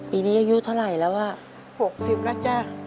ปีนี้อายุเท่าไรแล้วหกสิบแล้วจ้า